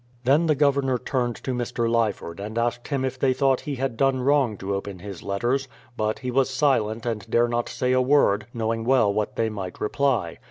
Then the Governor turned to Mr. Lyford, and asked him if they thought he had done wrong to open his letters ; but he was silent and dare not say a word, knowing well what tRey might reply.